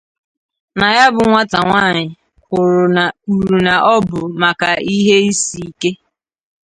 na ya bụ nwata nwaanyị kwuru na ọ bụ maka ihe isi ike